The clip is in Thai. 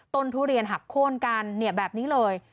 ทุเรียนหักโค้นกันแบบนี้เลย